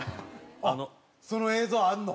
あっその映像あるの？